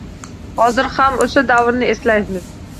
Hozir ham o‘sha davrni eslaymiz.